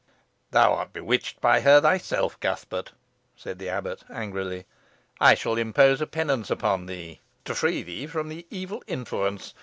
"Thou art bewitched by her thyself, Cuthbert," said the abbot, angrily. "I shall impose a penance upon thee, to free thee from the evil influence.